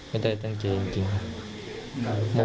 ไม่ได้ตั้งใจจริงครับ